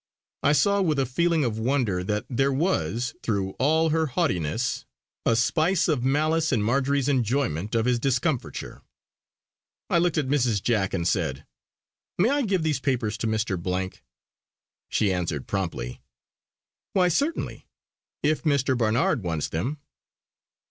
I saw with a feeling of wonder that there was, through all her haughtiness, a spice of malice in Marjory's enjoyment of his discomfiture. I looked at Mrs. Jack and said: "May I give these papers to Mr. " She answered promptly: "Why cert'nly! If Mr. Barnard wants them."